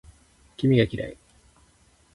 君が嫌い